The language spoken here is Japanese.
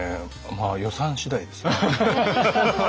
まあ予算次第ですよね。